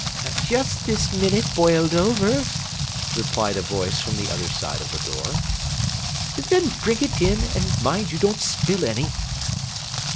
"Just this minute boiled over," replied a voice from the other side of the door. "Then bring it in, and mind you don't spill any."